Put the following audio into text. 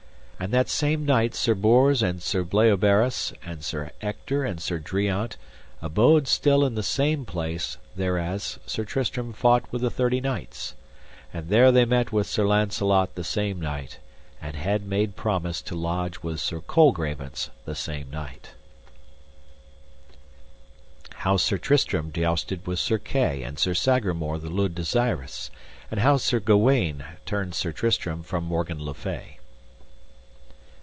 And that same night Sir Bors and Sir Bleoberis, and Sir Ector and Sir Driant, abode still in the same place thereas Sir Tristram fought with the thirty knights; and there they met with Sir Launcelot the same night, and had made promise to lodge with Sir Colgrevance the same night. CHAPTER XXIV. How Sir Tristram jousted with Sir Kay and Sir Sagramore le Desirous, and how Sir Gawaine turned Sir Tristram from Morgan le Fay.